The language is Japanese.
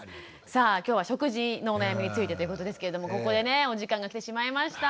さあ今日は食事のお悩みについてということですけれどもここでねお時間が来てしまいました。